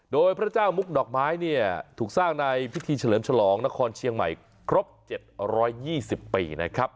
โดยพระเจ้ามุกดอกไม้เนี่ยถูกสร้างในพิธีเฉลิมฉลองนครเชียงใหม่ครบ๗๒๐ปีนะครับ